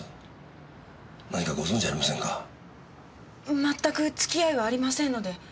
まったく付き合いはありませんので。